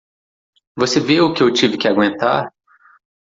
Você vê o que eu tive que aguentar?